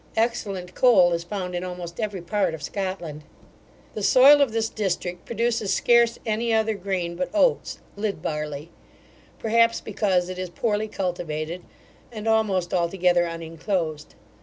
Excellent coal is found in almost every part of Scotland. The soil of this district produces scarce any other grain but oats, lid barley; perhaps because it is poorly cultivated, and almost altogether uninclosed.